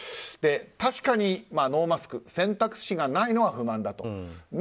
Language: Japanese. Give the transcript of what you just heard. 確かにノーマスク選択肢がないのは不満だと。